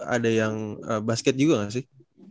ada yang basket juga nggak sih